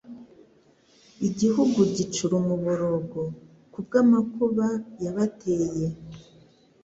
igihugu gicura umuborogo kubwamakuba yabateye